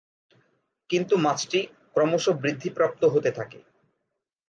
কিন্তু মাছটি ক্রমশ বৃদ্ধিপ্রাপ্ত হতে থাকে।